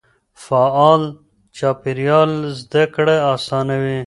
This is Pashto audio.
فعال چاپېريال زده کړه اسانوي.